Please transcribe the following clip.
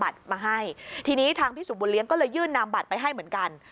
มาให้ทีนี้ทางพี่สุบุญเลี้ยงก็เลยยื่นนามบัตรไปให้เหมือนกัน